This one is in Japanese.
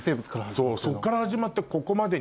そうそっから始まって。